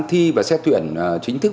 thi và xét tuyển chính thức